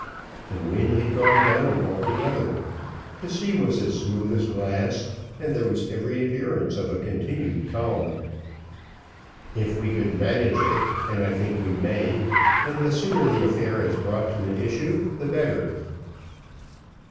The wind had gone down altogether, the sea was as smooth as glass, and there was every appearance of a continued calm. "If we could manage it and I think we may then the sooner the affair is brought to an issue the better."